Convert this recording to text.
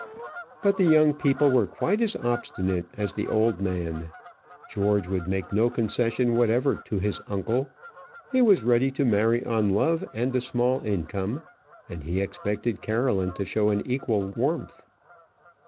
But the young people were quite as obstinate as the old man. George would make no concession whatever to his uncle. He was ready to marry on love and a small income, and he expected Caroline to show an equal warmth.